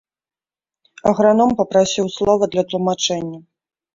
Аграном папрасіў слова для тлумачэння.